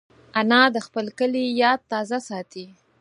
انا د خپل کلي یاد تازه ساتي